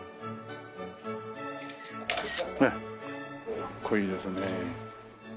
かっこいいですね。